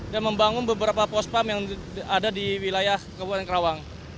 dan membangun beberapa pospam yang ada di wilayah kabupaten karawang